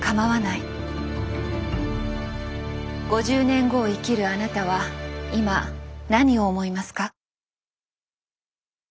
５０年後を生きるあなたは今何を思いますか？